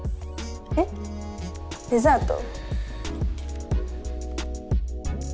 えっデザート？